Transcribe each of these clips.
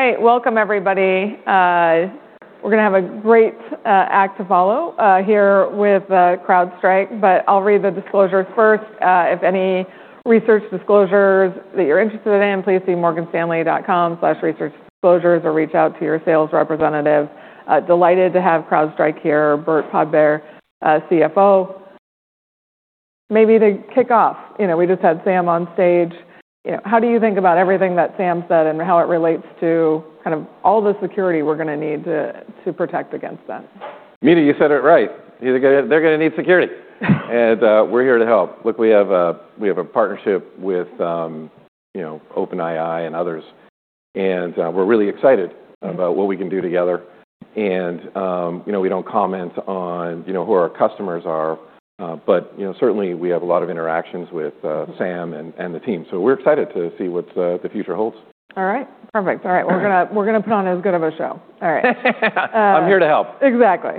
All right. Welcome, everybody. We're gonna have a great act to follow here with CrowdStrike. I'll read the disclosures first. If any research disclosures that you're interested in, please see morganstanley.com/researchdisclosures or reach out to your sales representative. Delighted to have CrowdStrike here. Burt Podbere, CFO. Maybe to kick off, you know, we just had Sam on stage. You know, how do you think about everything that Sam said and how it relates to kind of all the security we're gonna need to protect against then? Mina, you said it right. They're gonna need security. We're here to help. Look, we have a partnership with, you know, OpenAI and others, and we're really excited about what we can do together. You know, we don't comment on, you know, who our customers are, but, you know, certainly we have a lot of interactions with Sam and the team. We're excited to see what the future holds. All right. Perfect. All right. Okay. We're gonna put on as good of a show. All right. I'm here to help. Exactly.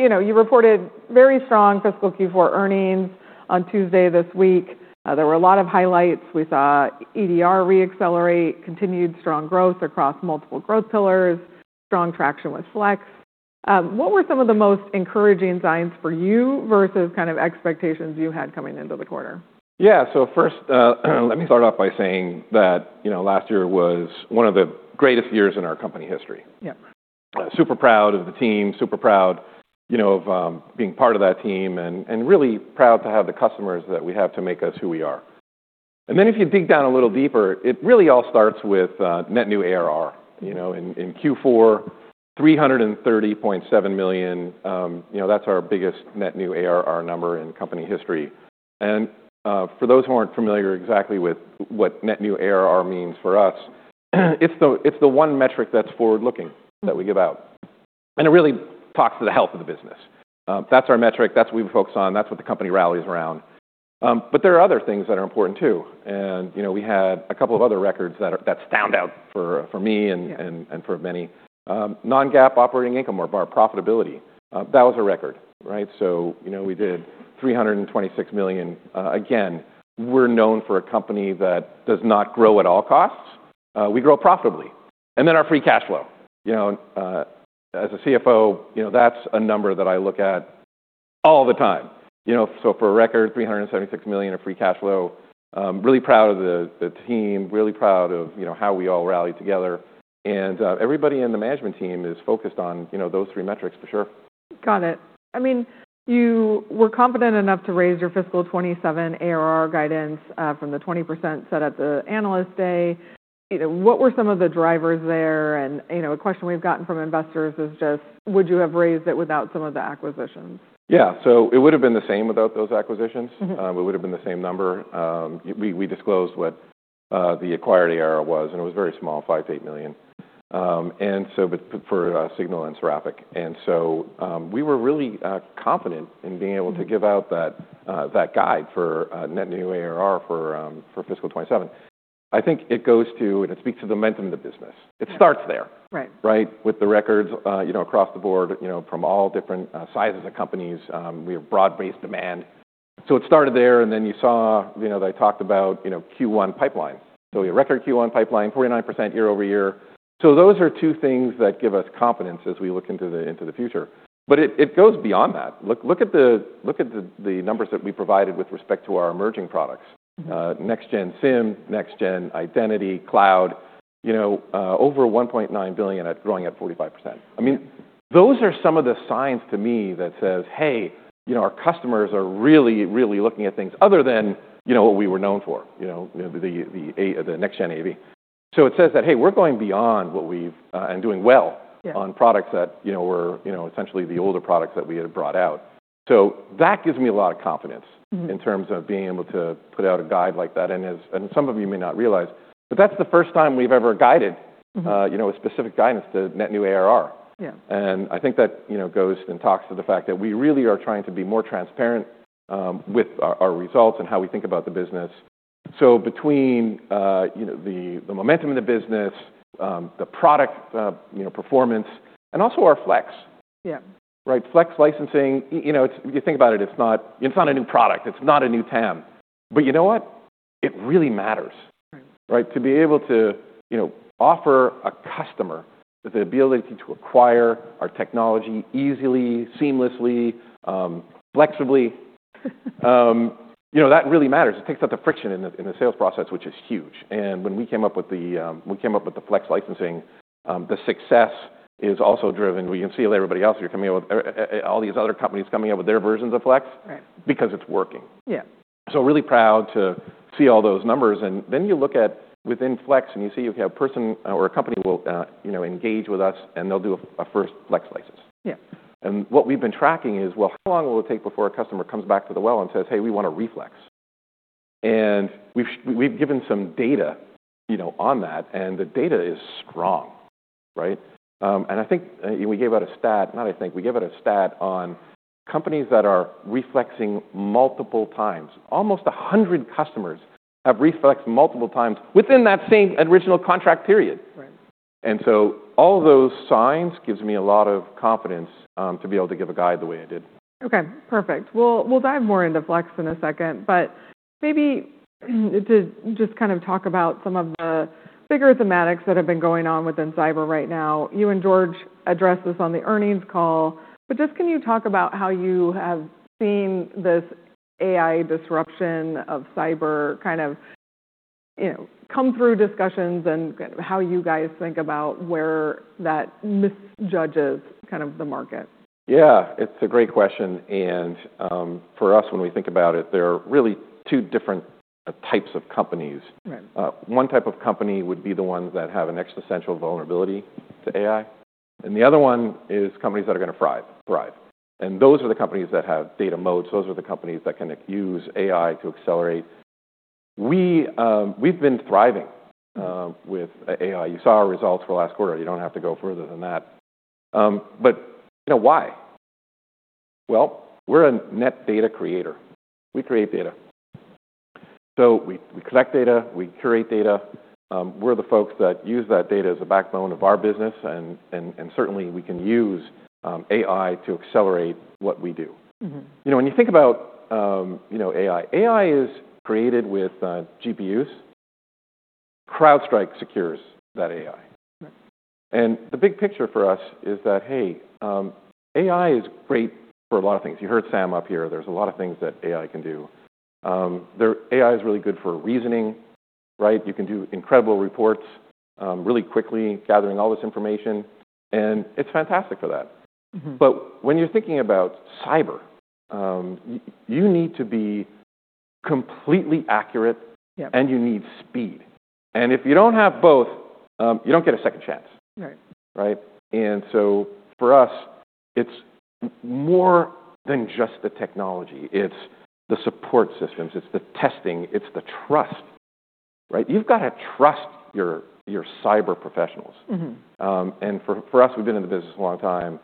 You know, you reported very strong fiscal Q4 earnings on Tuesday this week. There were a lot of highlights. We saw EDR re-accelerate, continued strong growth across multiple growth pillars, strong traction with Flex. What were some of the most encouraging signs for you versus kind of expectations you had coming into the quarter? Yeah. First, let me start off by saying that, you know, last year was one of the greatest years in our company history. Yeah. Super proud of the team, super proud, you know, of being part of that team and really proud to have the customers that we have to make us who we are. Then if you dig down a little deeper, it really all starts with net new ARR. You know, in Q4, $330.7 million, you know, that's our biggest net new ARR number in company history. For those who aren't familiar exactly with what net new ARR means for us, it's the one metric that's forward-looking that we give out, and it really talks to the health of the business. That's our metric, that's what we focus on, that's what the company rallies around. There are other things that are important too, you know, we had a couple of other records that stand out for me and for many. non-GAAP operating income or our profitability, that was a record, right? You know, we did $326 million. Again, we're known for a company that does not grow at all costs. We grow profitably. Our Free Cash Flow. You know, as a CFO, you know, that's a number that I look at all the time. You know, for a record, $376 million of Free Cash Flow, really proud of the team, really proud of, you know, how we all rallied together. Everybody in the management team is focused on, you know, those three metrics for sure. Got it. I mean, you were confident enough to raise your fiscal 2027 ARR guidance, from the 20% set at the Analyst Day. You know, what were some of the drivers there? You know, a question we've gotten from investors is just would you have raised it without some of the acquisitions? Yeah. it would have been the same without those acquisitions. Mm-hmm. Uh, it would have been the same number. Um, we, we disclosed what, uh, the acquired ARR was, and it was very small, five to eight million. Um, and so but for, uh, SGNL and Seraphic. And so, um, we were really, uh, confident in being able to give out that, uh, that guide for, uh, net new ARR for, um, for fiscal twenty-seven. I think it goes to and it speaks to the momentum of the business. Yeah. It starts there. Right. Right? With the records, you know, across the board, you know, from all different sizes of companies, we have broad-based demand. It started there, and then you saw, you know, they talked about, you know, Q1 pipeline. Your record Q1 pipeline, 49% year-over-year. Those are two things that give us confidence as we look into the future. It goes beyond that. Look at the numbers that we provided with respect to our emerging products. Mm-hmm. Next-Gen SIEM, Next-Gen Identity, cloud, you know, over $1.9 billion at growing at 45%. Yeah. I mean, those are some of the signs to me that says, hey, you know, our customers are really looking at things other than, you know, what we were known for, you know, the Next-Gen AV. It says that, hey, we're going beyond what we've and doing well. Yeah... on products that, you know, were, you know, essentially the older products that we had brought out. That gives me a lot of confidence... Mm-hmm... in terms of being able to put out a guide like that. As some of you may not realize, but that's the first time we've ever guided- Mm-hmm... you know, a specific guidance to Net New ARR. Yeah. I think that, you know, goes and talks to the fact that we really are trying to be more transparent with our results and how we think about the business. Between, you know, the momentum of the business, the product, you know, performance, and also our Flex. Yeah. Right? Flex licensing, you know, If you think about it's not, it's not a new product, it's not a new TAM. You know what? It really matters. Right. Right? To be able to, you know, offer a customer the ability to acquire our technology easily, seamlessly, you know, that really matters. It takes out the friction in the, in the sales process, which is huge. When we came up with the Flex licensing, the success is also driven. We can see it with everybody else here coming out with all these other companies coming out with their versions of Flex. Right because it's working. Yeah. Really proud to see all those numbers, and then you look at within Flex, and you see you have a person or a company will, you know, engage with us, and they'll do a first Flex license. Yeah. What we've been tracking is, well, how long will it take before a customer comes back to the well and says, "Hey, we want to reflex"? We've given some data, you know, on that, and the data is strong, right? We gave out a stat on companies that are reflexing multiple times. Almost 100 customers have reflexed multiple times within that same original contract period. Right. All those signs gives me a lot of confidence, to be able to give a guide the way I did. Okay, perfect. We'll dive more into Flex in a second, but maybe to just kind of talk about some of the bigger thematics that have been going on within cyber right now. You and George addressed this on the earnings call, but just can you talk about how you have seen this AI disruption of cyber kind of, you know, come through discussions and how you guys think about where that misjudges kind of the market? Yeah, it's a great question. For us, when we think about it, there are really two different types of companies. Right. One type of company would be the ones that have an existential vulnerability to AI, and the other one is companies that are gonna thrive. Those are the companies that have data moats. Those are the companies that can use AI to accelerate. We've been thriving with AI. You saw our results for last quarter. You don't have to go further than that. You know why? Well, we're a net data creator. We create data. We collect data, we curate data. We're the folks that use that data as a backbone of our business, and certainly we can use AI to accelerate what we do. Mm-hmm. You know, when you think about, you know, AI is created with GPUs. CrowdStrike secures that AI. Right. The big picture for us is that, hey, AI is great for a lot of things. You heard Sam up here. There's a lot of things that AI can do. AI is really good for reasoning, right? You can do incredible reports, really quickly gathering all this information, and it's fantastic for that. Mm-hmm. When you're thinking about cyber, you need to be completely accurate. Yeah. You need speed. If you don't have both, you don't get a second chance. Right. Right? For us, it's more than just the technology. It's the support systems, it's the testing, it's the trust, right? You've gotta trust your cyber professionals. Mm-hmm. For us, we've been in the business a long time.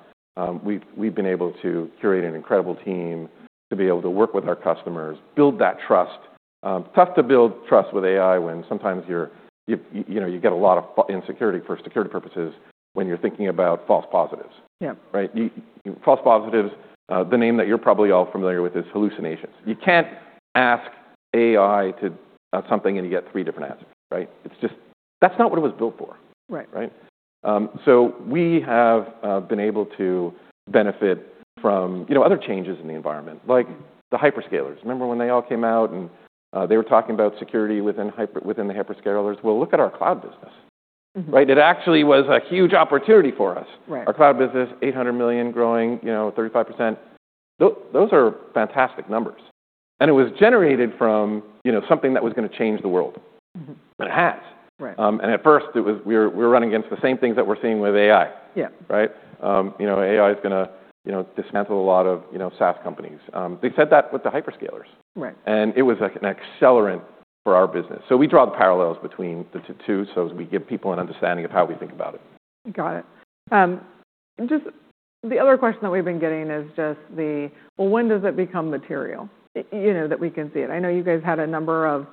We've been able to curate an incredible team to be able to work with our customers, build that trust. Tough to build trust with AI when sometimes you're, you know, you get a lot of insecurity for security purposes when you're thinking about false positives. Yeah. Right? You, false positives, the name that you're probably all familiar with is hallucinations. You can't ask AI to something, and you get three different answers, right? It's just. That's not what it was built for. Right. Right? We have been able to benefit from, you know, other changes in the environment, like the hyperscalers. Remember when they all came out and they were talking about security within within the hyperscalers? Well, look at our cloud business. Mm-hmm. Right? It actually was a huge opportunity for us. Right. Our cloud business, $800 million growing, you know, 35%. Those are fantastic numbers. It was generated from, you know, something that was gonna change the world. Mm-hmm. It has. Right. At first it was, we were running against the same things that we're seeing with AI. Yeah. Right? you know, AI's gonna, you know, dismantle a lot of, you know, SaaS companies. They said that with the hyperscalers. Right. It was like an accelerant for our business. We draw the parallels between the two, so as we give people an understanding of how we think about it. Got it. Just the other question that we've been getting is just the, well, when does it become material, you know, that we can see it? I know you guys had a number of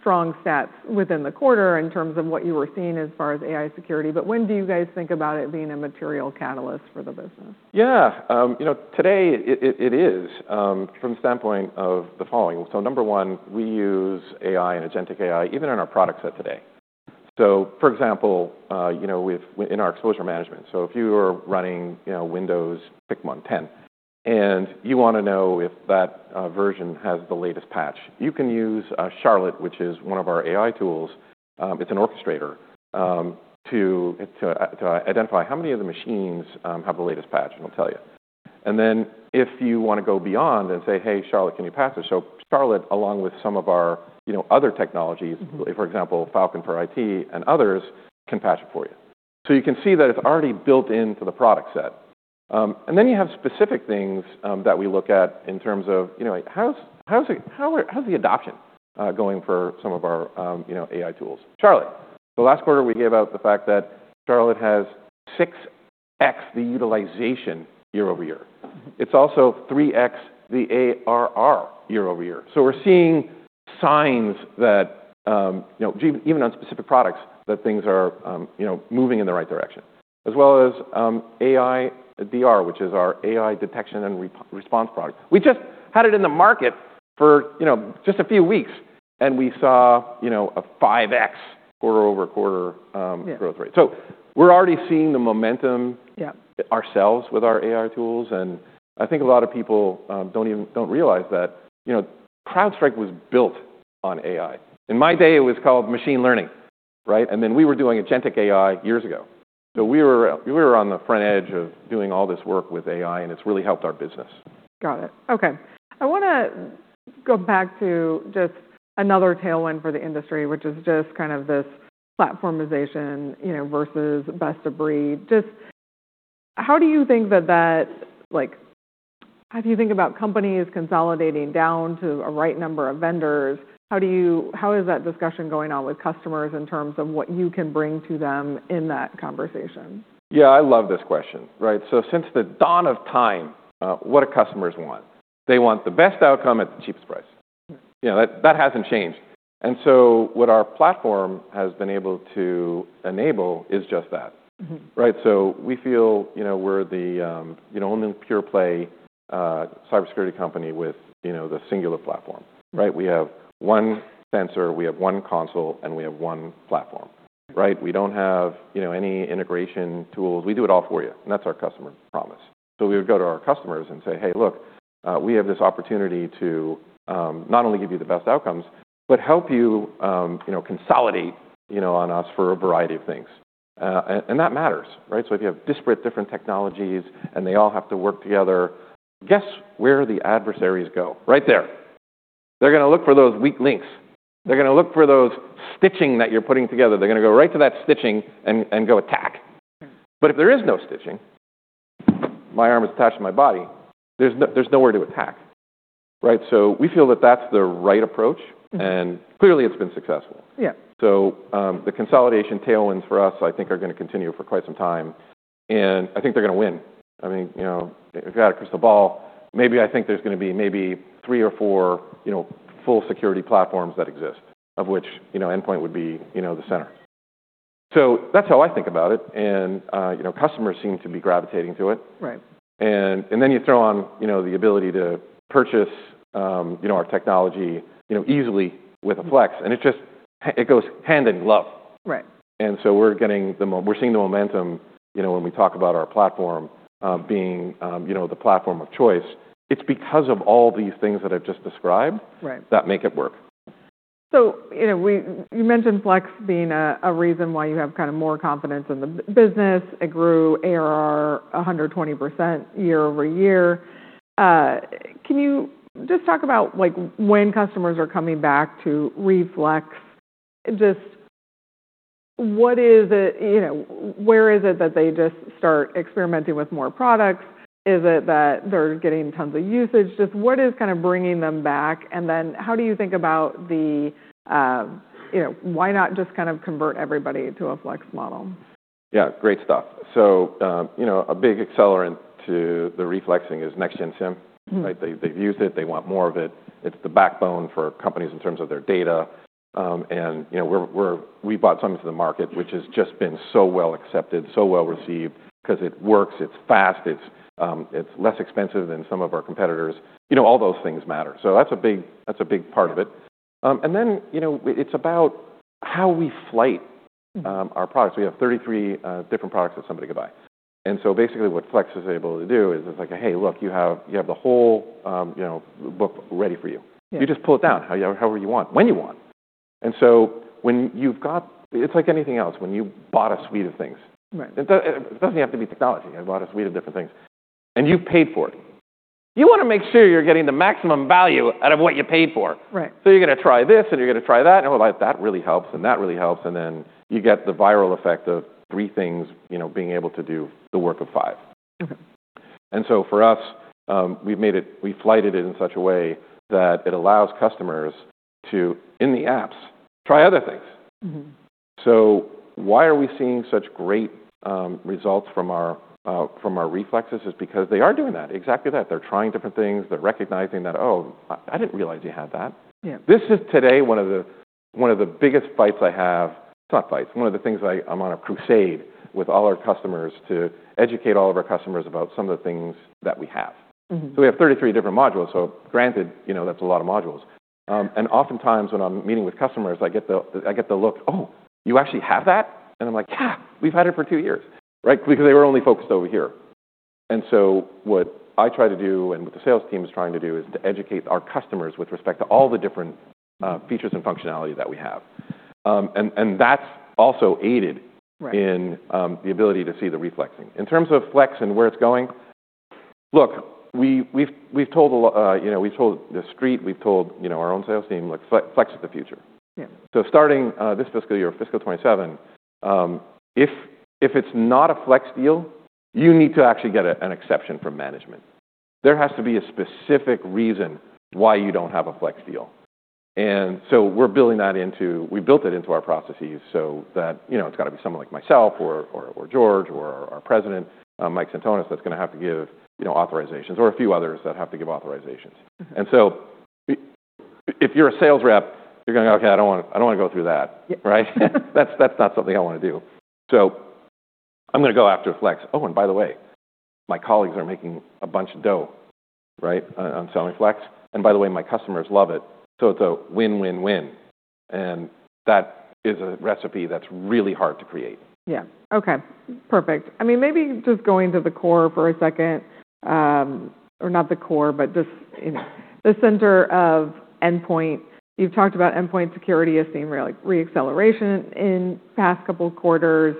strong stats within the quarter in terms of what you were seeing as far as AI security, but when do you guys think about it being a material catalyst for the business? Yeah, you know, today it is from the standpoint of the following. Number one, we use AI and agentic AI even in our product set today. For example, you know, in our exposure management. If you are running, you know, Windows pick one, 10, and you wanna know if that version has the latest patch, you can use Charlotte, which is one of our AI tools, it's an orchestrator, to identify how many of the machines have the latest patch, and it'll tell you. Then if you want to go beyond and say, "Hey, Charlotte, can you patch this?" Charlotte, along with some of our, you know, other technologies- Mm-hmm. for example, Falcon for IT and others, can patch it for you. You can see that it's already built into the product set. And then you have specific things that we look at in terms of, you know, how's the adoption going for some of our, you know, AI tools? Charlotte. Last quarter we gave out the fact that Charlotte has 6x the utilization year-over-year. It's also 3x the ARR year-over-year. We're seeing signs that, you know, even on specific products that things are, you know, moving in the right direction. As well as AI DR, which is our AI Detection and Response product. We just had it in the market for, you know, just a few weeks. We saw, you know, a 5x quarter-over-quarter. Yeah. growth rate. We're already seeing the momentum Yeah. ourselves with our AI tools, and I think a lot of people don't realize that. You know, CrowdStrike was built on AI. In my day, it was called machine learning, right? Then we were doing agentic AI years ago. We were on the front edge of doing all this work with AI, and it's really helped our business. Got it. Okay. I wanna go back to just another tailwind for the industry, which is just kind of this platformization, you know, versus best of breed. Just how do you think about companies consolidating down to a right number of vendors? How is that discussion going on with customers in terms of what you can bring to them in that conversation? Yeah, I love this question, right? Since the dawn of time, what do customers want? They want the best outcome at the cheapest price. Yeah, that hasn't changed. What our platform has been able to enable is just that. Mm-hmm. Right? We feel, you know, we're the, you know, only pure play, cybersecurity company with, you know, the singular platform, right? We have one sensor, we have one console, and we have one platform, right? We don't have, you know, any integration tools. We do it all for you, and that's our customer promise. We would go to our customers and say, "Hey, look, we have this opportunity to, not only give you the best outcomes, but help you know, consolidate, you know, on us for a variety of things." That matters, right? If you have disparate different technologies and they all have to work together, guess where the adversaries go? Right there. They're gonna look for those weak links. They're gonna look for those stitching that you're putting together. They're gonna go right to that stitching and go attack. Mm. If there is no stitching, my arm is attached to my body, there's nowhere to attack, right? We feel that that's the right approach. Mm. Clearly it's been successful. Yeah. The consolidation tailwinds for us, I think, are gonna continue for quite some time, and I think they're gonna win. I mean, you know, if you've got a crystal ball, maybe I think there's gonna be maybe three or four, you know, full security platforms that exist, of which, you know, endpoint would be, you know, the center. That's how I think about it and, you know, customers seem to be gravitating to it. Right. Then you throw on, you know, the ability to purchase, you know, our technology, you know, easily with a Falcon Flex, and it just it goes hand in glove. Right. We're seeing the momentum, you know, when we talk about our platform, being, you know, the platform of choice. It's because of all these things that I've just described. Right that make it work. You know, we you mentioned Flex being a reason why you have kind of more confidence in the business. It grew ARR 120% year-over-year. Can you just talk about, like, when customers are coming back to Flex, just what is it, you know, where is it that they just start experimenting with more products? Is it that they're getting tons of usage? Just what is kind of bringing them back? How do you think about the, you know, why not just kind of convert everybody to a Flex model? Yeah. Great stuff. you know, a big accelerant to the reflexing is Next-Gen SIEM. Mm-hmm. Right? They've used it. They want more of it. It's the backbone for companies in terms of their data. You know, we bought something to the market, which has just been so well accepted, so well received 'cause it works, it's fast, it's less expensive than some of our competitors. You know, all those things matter. That's a big part of it. You know, it's about how we flight- Mm... our products. We have 33 different products that somebody could buy. Basically what Flex is able to do is it's like a, "Hey, look, you have the whole, you know, book ready for you. Yeah. You just pull it down how you, however you want, when you want. When you've got... It's like anything else, when you bought a suite of things- Right... it doesn't have to be technology. I bought a suite of different things and you've paid for it. You wanna make sure you're getting the maximum value out of what you paid for. Right. You're gonna try this, and you're gonna try that, and like, that really helps and that really helps, and then you get the viral effect of three things, you know, being able to do the work of five. Mm-hmm. For us, we've made it, we flighted it in such a way that it allows customers to, in the apps, try other things. Mm-hmm. Why are we seeing such great results from our reflexes is because they are doing that. Exactly that. They're trying different things. They're recognizing that, "Oh, I didn't realize you had that. Yeah. This is today one of the biggest fights I have. It's not fights. One of the things I'm on a crusade with all our customers to educate all of our customers about some of the things that we have. Mm-hmm. We have 33 different modules, so granted, you know, that's a lot of modules. Oftentimes when I'm meeting with customers, I get the look, "Oh, you actually have that?" And I'm like, "Yeah, we've had it for two years." Right? Because they were only focused over here. What I try to do, and what the sales team is trying to do, is to educate our customers with respect to all the different features and functionality that we have. That's also aided- Right in the ability to see the reflexing. In terms of flex and where it's going, look, we've told, you know, we've told the street, we've told, you know, our own sales team, "Look, flex is the future. Yeah. Starting this fiscal year, fiscal 27, if it's not a flex deal, you need to actually get an exception from management. There has to be a specific reason why you don't have a flex deal. We built it into our processes so that, you know, it's gotta be someone like myself or George or our President Michael Sentonas, that's gonna have to give, you know, authorizations, or a few others that have to give authorizations. Mm-hmm. If you're a sales rep, you're gonna go, "Okay, I don't wanna, I don't wanna go through that. Yeah. Right? "That's not something I wanna do. I'm gonna go after flex." By the way, my colleagues are making a bunch of dough, right, on selling flex, and by the way, my customers love it, so it's a win-win-win, and that is a recipe that's really hard to create. Yeah. Okay. Perfect. I mean, maybe just going to the core for a second, or not the core, but just, you know, the center of endpoint. You've talked about endpoint security has seen re-acceleration in past couple quarters,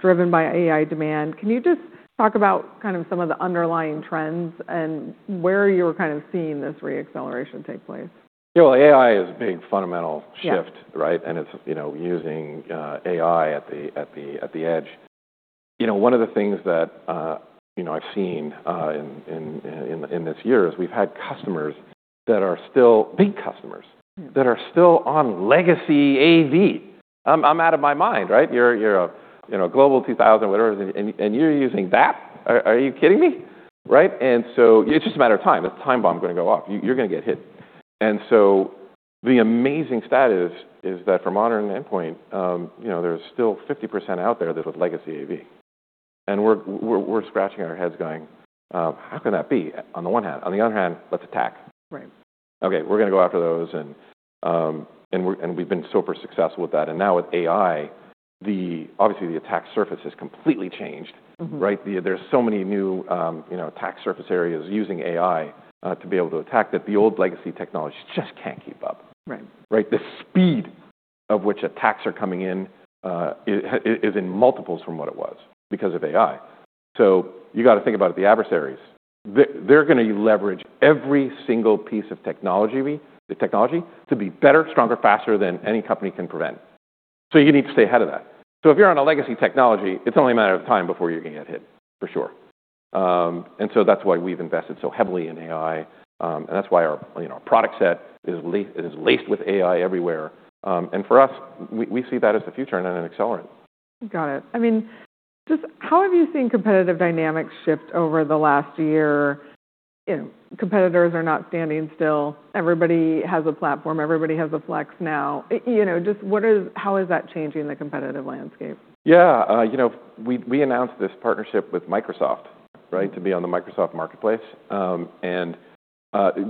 driven by AI demand. Can you just talk about kind of some of the underlying trends and where you're kind of seeing this re-acceleration take place? Yeah, well, AI is a big fundamental shift. Yeah. Right? It's, you know, using AI at the edge. You know, one of the things that, you know, I've seen in this year is we've had customers that are still big customers that are still on legacy AV. I'm out of my mind, right? You're a, you know, Global 2000 whatever, and you're using that? Are you kidding me? Right? It's just a matter of time. It's a time bomb gonna go off. You're gonna get hit. The amazing stat is that for modern endpoint, you know, there's still 50% out there that with legacy AV. We're scratching our heads going, "How can that be?" On the one hand. On the other hand, "Let's attack. Right. Okay, we're gonna go after those, and we've been super successful with that. Now with AI, obviously, the attack surface has completely changed. Mm-hmm. Right? There's so many new, you know, attack surface areas using AI to be able to attack that the old legacy technology just can't keep up. Right. Right? The speed of which attacks are coming in, is in multiples from what it was because of AI. You gotta think about the adversaries. They're gonna leverage every single piece of technology the technology to be better, stronger, faster than any company can prevent. You need to stay ahead of that. If you're on a legacy technology, it's only a matter of time before you're gonna get hit, for sure. That's why we've invested so heavily in AI, that's why our, you know, our product set is laced with AI everywhere. For us, we see that as the future and an accelerant. Got it. I mean, just how have you seen competitive dynamics shift over the last year? You know, competitors are not standing still. Everybody has a platform, everybody has a flex now. You know, just how is that changing the competitive landscape? Yeah. you know, we announced this partnership with Microsoft, right. Mm-hmm... to be on the Microsoft Marketplace.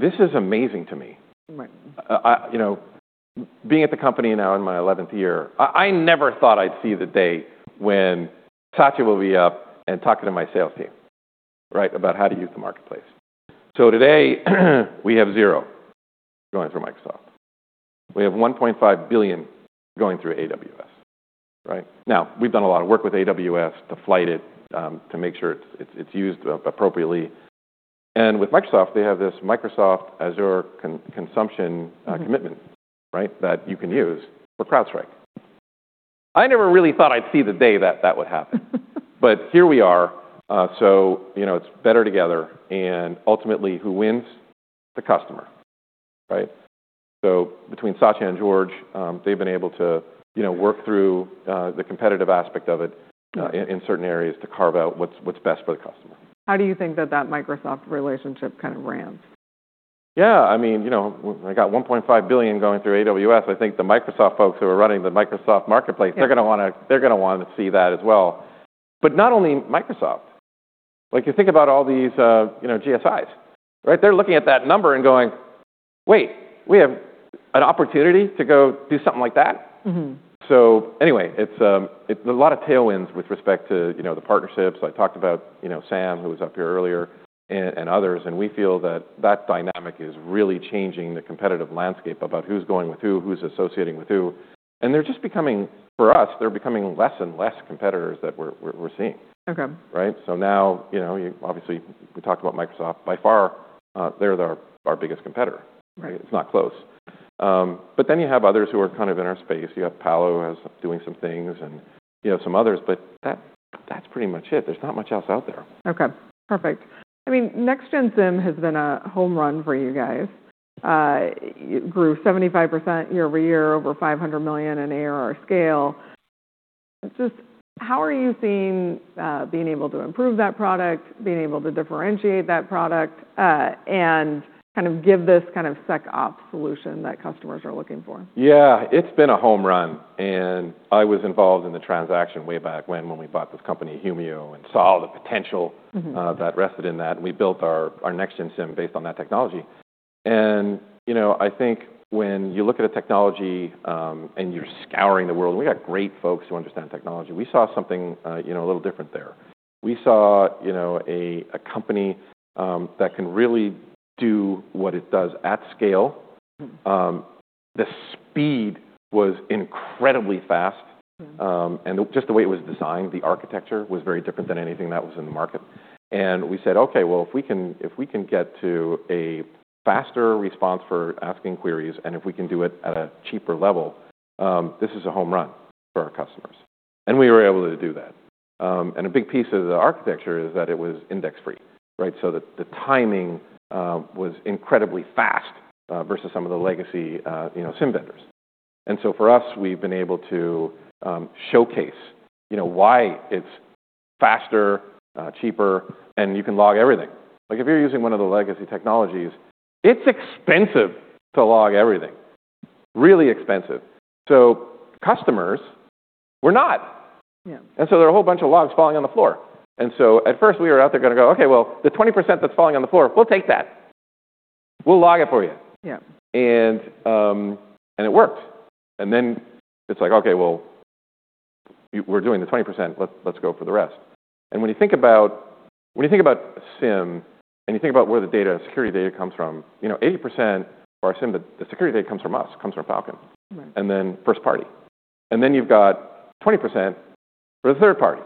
This is amazing to me. Right. You know, being at the company now in my 11th year, I never thought I'd see the day when Satya will be up and talking to my sales team, right, about how to use the marketplace? Today, we have zer going through Microsoft. We have $1.5 billion going through AWS, right? We've done a lot of work with AWS to flight it to make sure it's used appropriately. With Microsoft, they have this Microsoft Azure consumption commitment, right, that you can use for CrowdStrike. I never really thought I'd see the day that that would happen. Here we are, you know, it's better together, ultimately, who wins? The customer, right? Between Satya and George, they've been able to, you know, work through the competitive aspect of it in certain areas to carve out what's best for the customer. How do you think that Microsoft relationship kind of ramps? Yeah, I mean, you know, I got $1.5 billion going through AWS. I think the Microsoft folks who are running the Microsoft Marketplace. Yeah they're gonna wanna see that as well. Not only Microsoft. Like, you think about all these, you know, GSIs, right? They're looking at that number and going, "Wait, we have an opportunity to go do something like that? Mm-hmm. It's a lot of tailwinds with respect to, you know, the partnerships. I talked about, you know, Sam, who was up here earlier, and others, and we feel that that dynamic is really changing the competitive landscape about who's going with who's associating with who. They're just becoming, for us, they're becoming less and less competitors that we're seeing. Okay. Right? Now, you know, obviously, we talked about Microsoft. By far, they're our biggest competitor. Right. It's not close. You have others who are kind of in our space. You have Palo is doing some things, and you have some others, but that's pretty much it. There's not much else out there. Okay, perfect. I mean, Next-Gen SIEM has been a home run for you guys. It grew 75% year-over-year, over $500 million in ARR scale. Just how are you seeing, being able to improve that product, being able to differentiate that product, and kind of give this kind of SecOps solution that customers are looking for? Yeah. It's been a home run, and I was involved in the transaction way back when we bought this company, Humio, and saw the potential- Mm-hmm... that rested in that, and we built our Next-Gen SIM based on that technology. You know, I think when you look at a technology, and you're scouring the world, and we got great folks who understand technology, we saw something, you know, a little different there. We saw, you know, a company that can really do what it does at scale. The speed was incredibly fast. Mm. Just the way it was designed, the architecture was very different than anything that was in the market. We said, "Okay, well, if we can, if we can get to a faster response for asking queries, and if we can do it at a cheaper level, this is a home run for our customers." We were able to do that. A big piece of the architecture is that it was index-free, right? The timing was incredibly fast versus some of the legacy, you know, SIEM vendors. For us, we've been able to showcase, you know, why it's faster, cheaper, and you can log everything. Like, if you're using one of the legacy technologies, it's expensive to log everything. Really expensive. Customers were not. Yeah. There are a whole bunch of logs falling on the floor. At first, we were out there gonna go, "Okay, well, the 20% that's falling on the floor, we'll take that. We'll log it for you. Yeah. It worked. It's like, okay, well, we're doing the 20%. Let's go for the rest. When you think about, when you think about SIM, and you think about where the data, security data comes from, you know, 80% of our SIM, the security data comes from us, comes from Falcon. Right. First party. You've got 20% for the third party.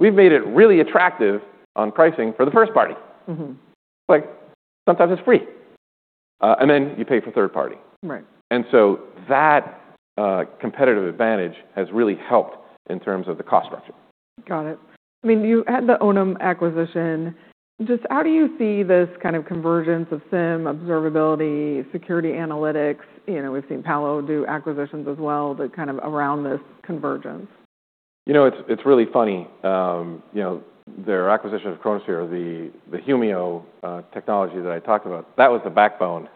We've made it really attractive on pricing for the first party. Mm-hmm. Like, sometimes it's free. You pay for third party. Right. That competitive advantage has really helped in terms of the cost structure. Got it. I mean, you had the Onum acquisition. Just how do you see this kind of convergence of SIM, observability, security, analytics? You know, we've seen Palo do acquisitions as well, but kind of around this convergence. You know, it's really funny. You know, their acquisition of Chronosphere, the Humio technology that I talked about, that was the backbone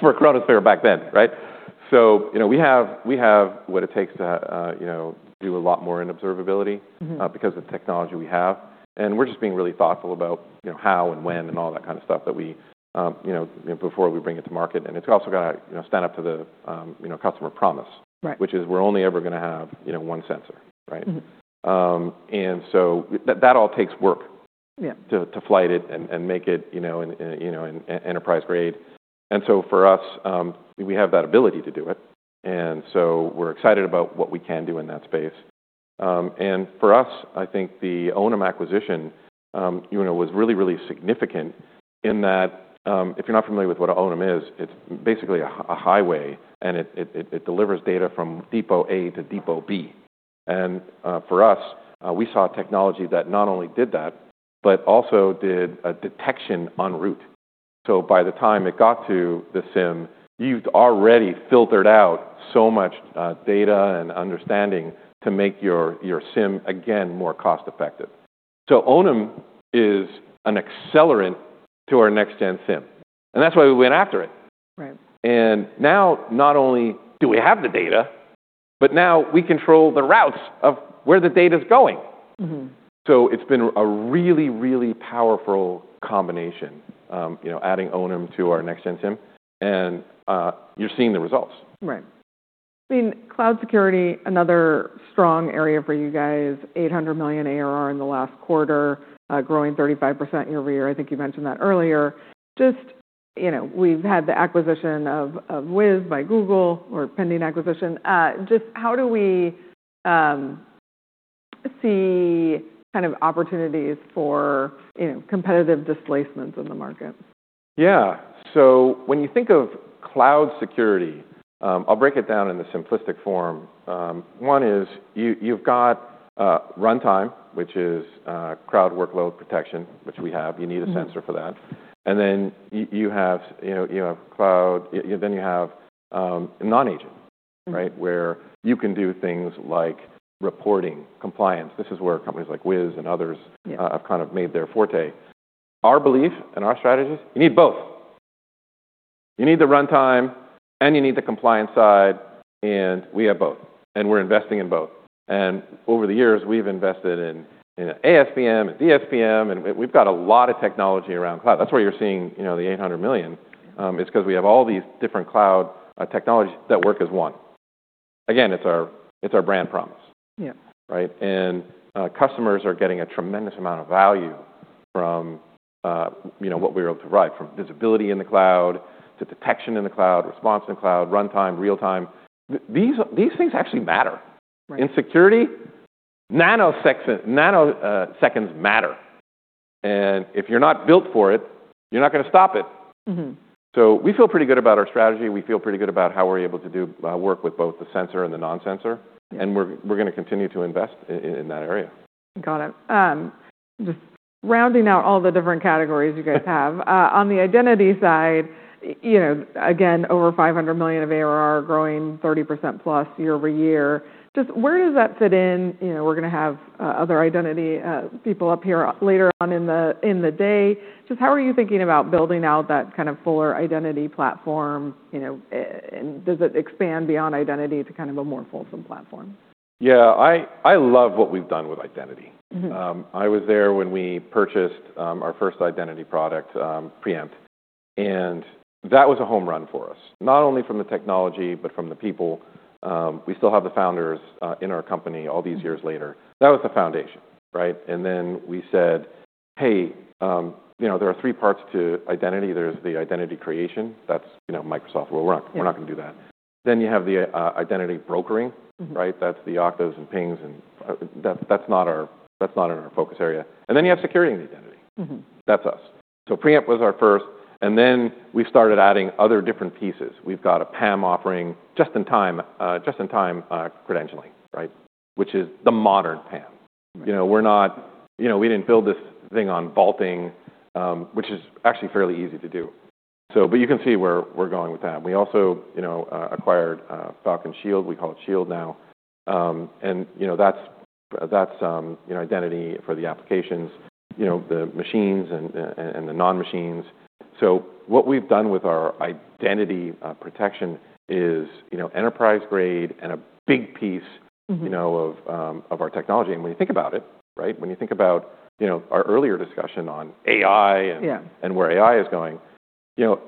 for Chronosphere back then, right? You know, we have, we have what it takes to, you know, do a lot more in observability... Mm-hmm ...because of the technology we have. We're just being really thoughtful about, you know, how and when and all that kind of stuff that we, you know, before we bring it to market. It's also gotta, you know, stand up to the, you know, customer promise. Right. Which is we're only ever gonna have, you know, one sensor, right? Mm-hmm. that all takes work. Yeah to flight it and make it, you know, in, you know, in enterprise grade. For us, we have that ability to do it, and so we're excited about what we can do in that space. For us, I think the Onum acquisition, you know, was really, really significant in that, if you're not familiar with what Onum is, it's basically a highway, and it delivers data from depot A to depot B. For us, we saw technology that not only did that, but also did a detection en route. By the time it got to the SIEM, you've already filtered out so much data and understanding to make your SIEM, again, more cost-effective. Onum is an accelerant to our Next-Gen SIEM, and that's why we went after it. Right. Now not only do we have the data, but now we control the routes of where the data's going. Mm-hmm. It's been a really powerful combination, you know, adding Onum to our Next-Gen SIEM, and you're seeing the results. I mean, cloud security, another strong area for you guys, $800 million ARR in the last quarter, growing 35% year-over-year. I think you mentioned that earlier. Just, you know, we've had the acquisition of Wiz by Google, or pending acquisition. Just how do we see kind of opportunities for, you know, competitive displacements in the market? Yeah. When you think of cloud security, I'll break it down in the simplistic form. One is you've got runtime, which is Cloud Workload Protection, which we have. You need a sensor for that. You have, you know, you have cloud. You have non-agent, right? Where you can do things like reporting compliance. This is where companies like Wiz and others- Yeah ...have kind of made their forte. Our belief and our strategies, you need both. You need the runtime, and you need the compliance side, and we have both, and we're investing in both. Over the years, we've invested in ASPM and DSPM, and we've got a lot of technology around cloud. That's why you're seeing, you know, the $800 million is because we have all these different cloud technologies that work as one. Again, it's our brand promise. Yeah. Right? Customers are getting a tremendous amount of value from, you know, what we're able to provide, from visibility in the cloud to detection in the cloud, response in the cloud, runtime, real time. These things actually matter. Right. In security, nanoseconds matter. If you're not built for it, you're not gonna stop it. Mm-hmm. We feel pretty good about our strategy. We feel pretty good about how we're able to do, work with both the sensor and the non-sensor. Yeah. We're gonna continue to invest in that area. Got it. Just rounding out all the different categories you guys have. On the identity side, you know, again, over $500 million of ARR growing 30%+ year-over-year. Just where does that fit in? You know, we're gonna have other identity people up here later on in the day. Just how are you thinking about building out that kind of fuller identity platform? You know, does it expand beyond identity to kind of a more fulsome platform? Yeah. I love what we've done with identity. Mm-hmm. I was there when we purchased our first identity product, Preempt. That was a home run for us, not only from the technology, but from the people. We still have the founders in our company all these years later. That was the foundation, right? We said, "Hey, you know, there are three parts to identity. There's the identity creation. That's, you know, Microsoft. We're not gonna do that." You have the identity brokering. Mm-hmm. Right? That's the Okta and Pings and. That's not our, that's not in our focus area. Then you have security and identity. Mm-hmm. That's us. Preempt was our first, and then we started adding other different pieces. We've got a PAM offering just in time credentialing, right? Which is the modern PAM. You know, we're not, you know, we didn't build this thing on vaulting, which is actually fairly easy to do. But you can see where we're going with that. We also, you know, acquired Falcon Shield. We call it Shield now. You know, that's identity for the applications, you know, the machines and the non-machines. What we've done with our identity protection is, you know, enterprise grade and a big piece- Mm-hmm ...you know, of our technology. When you think about it, right, when you think about, you know, our earlier discussion on AI. Yeah ...and where AI is going, you know,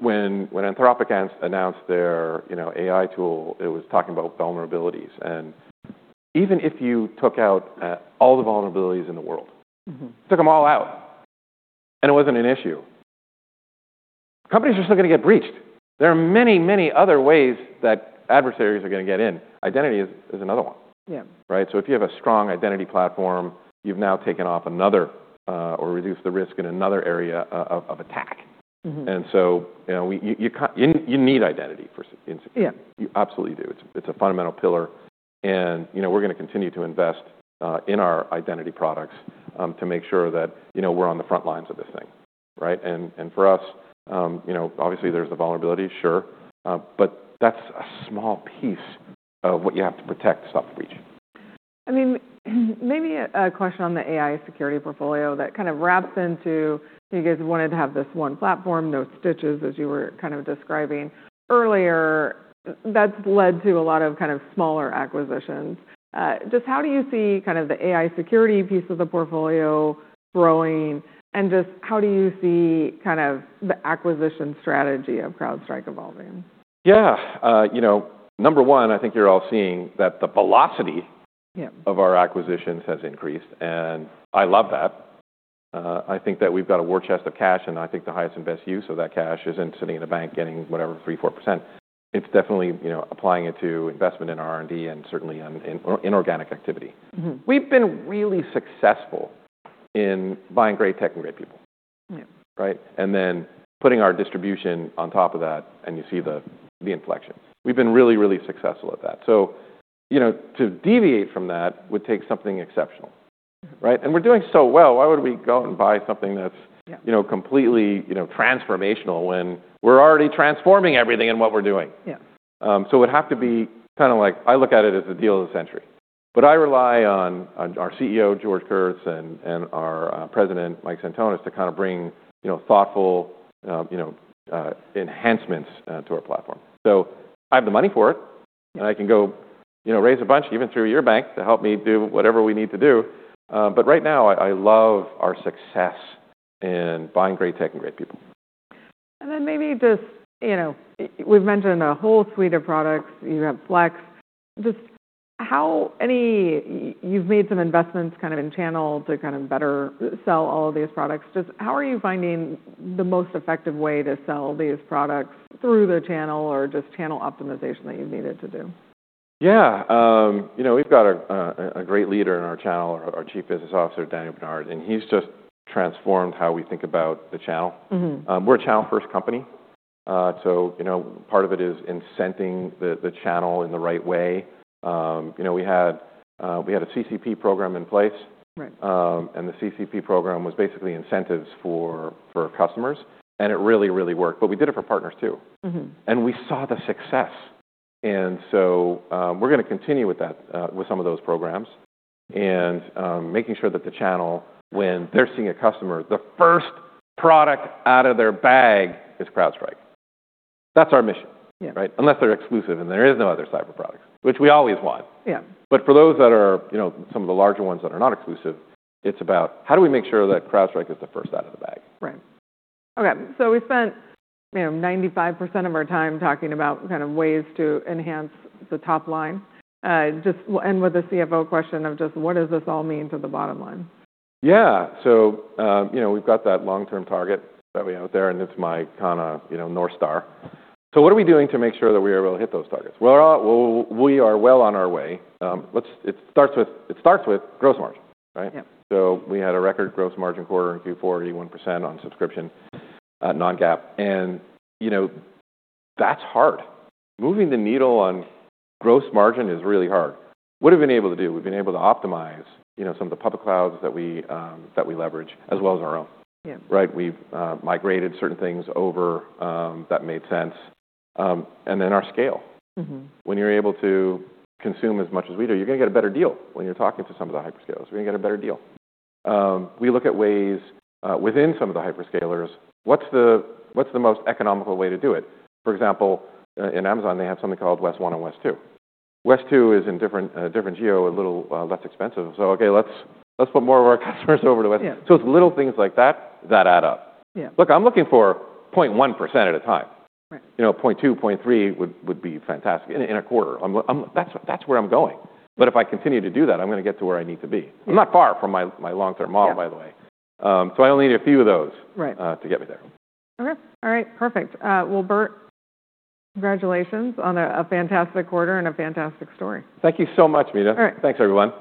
when Anthropic announced their, you know, AI tool, it was talking about vulnerabilities. Even if you took out all the vulnerabilities in the world- Mm-hmm took 'em all out, and it wasn't an issue, companies are still gonna get breached. There are many other ways that adversaries are gonna get in. Identity is another one. Yeah. Right? If you have a strong identity platform, you've now taken off another, or reduced the risk in another area of attack. You know, you can't. You need identity for security. Yeah. You absolutely do. It's a fundamental pillar and, you know, we're gonna continue to invest in our identity products to make sure that, you know, we're on the front lines of this thing, right? For us, you know, obviously there's the vulnerability, sure. But that's a small piece of what you have to protect to stop the breach. I mean, maybe a question on the AI security portfolio that kind of wraps into you guys wanted to have this one platform, no stitches, as you were kind of describing earlier. That's led to a lot of kind of smaller acquisitions. Just how do you see kind of the AI security piece of the portfolio growing and just how do you see kind of the acquisition strategy of CrowdStrike evolving? You know, number one, I think you're all seeing that the velocity-. Yeah... of our acquisitions has increased, and I love that. I think that we've got a war chest of cash, and I think the highest and best use of that cash isn't sitting in a bank getting whatever, 3%, 4%. It's definitely, you know, applying it to investment in R&D and certainly in inorganic activity. Mm-hmm. We've been really successful in buying great tech and great people. Yeah. Right? Then putting our distribution on top of that, you see the inflection. We've been really, really successful at that. You know, to deviate from that would take something exceptional, right? We're doing so well, why would we go and buy something that's. Yeah ... you know, completely, you know, transformational when we're already transforming everything in what we're doing? Yeah. It would have to be kinda like I look at it as the deal of the century. I rely on our CEO, George Kurtz, and our president, Mike Sentonas, to kind of bring, you know, thoughtful, you know, enhancements to our platform. I have the money for it. I can go, you know, raise a bunch even through your bank to help me do whatever we need to do. Right now I love our success in buying great tech and great people. Maybe just, you know, we've mentioned a whole suite of products. You have Flex. Just how you've made some investments kind of in channel to kind of better sell all of these products. Just how are you finding the most effective way to sell these products through the channel or just channel optimization that you've needed to do? Yeah. You know, we've got a great leader in our channel, our Chief Business Officer, Daniel Bernard. He's just transformed how we think about the channel. Mm-hmm. We're a channel-first company. You know, part of it is incenting the channel in the right way. You know, we had, we had a CCP program in place. Right. The CCP program was basically incentives for customers, and it really worked. We did it for partners, too. Mm-hmm. We saw the success. We're gonna continue with that, with some of those programs and, making sure that the channel, when they're seeing a customer, the first product out of their bag is CrowdStrike. That's our mission. Yeah. Right? Unless they're exclusive and there is no other cyber products, which we always want. Yeah. For those that are, you know, some of the larger ones that are not exclusive, it's about how do we make sure that CrowdStrike is the first out of the bag? Right. Okay. We spent, you know, 95% of our time talking about kind of ways to enhance the top line. Just we'll end with a CFO question of just what does this all mean to the bottom line? Yeah. You know, we've got that long-term target that we have there, and it's my kinda, you know, North Star. What are we doing to make sure that we are able to hit those targets? We are well on our way. It starts with gross margin, right? Yeah. We had a record gross margin quarter in Q4, 81% on subscription non-GAAP. You know, that's hard. Moving the needle on gross margin is really hard. What have we been able to do? We've been able to optimize, you know, some of the public clouds that we leverage, as well as our own. Yeah. Right? We've migrated certain things over, that made sense. Our scale. Mm-hmm. When you're able to consume as much as we do, you're gonna get a better deal when you're talking to some of the hyperscalers. You're gonna get a better deal. We look at ways within some of the hyperscalers, what's the most economical way to do it? For example, in AWS, they have something called us-west-1 and us-west-2. us-west-2 is in different geo, a little less expensive. Okay, let's put more of our customers over to us-west-2. Yeah. It's little things like that that add up. Yeah. Look, I'm looking for 0.1% at a time. Right. You know, 0.2%, 0.3% would be fantastic in a quarter. That's where I'm going. If I continue to do that, I'm gonna get to where I need to be. Yeah. I'm not far from my long-term model, by the way. Yeah. I only need a few of those. Right... to get me there. Okay. All right, perfect. Well, Burt, congratulations on a fantastic quarter and a fantastic story. Thank you so much, Mina. All right. Thanks, everyone.